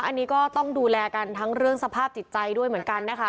อันนี้ก็ต้องดูแลกันทั้งเรื่องสภาพจิตใจด้วยเหมือนกันนะคะ